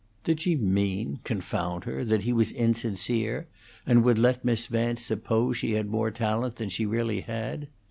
Did she mean, confound her? that he was insincere, and would let Miss Vance suppose she had more talent than she really had?